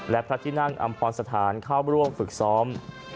และพระที่นั่งอำพรสถานเข้าร่วมฝึกซ้อม